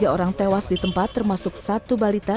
tiga orang tewas di tempat termasuk satu balita